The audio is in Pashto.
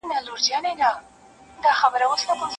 ګودرونه به رنګین په خپل غزل کړم نور به ځمه